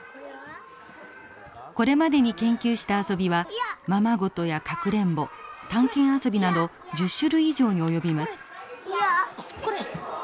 これまでに研究した遊びはままごとやかくれんぼ探検遊びなど１０種類以上に及びます。